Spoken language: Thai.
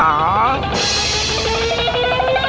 อะไรดีแล้ว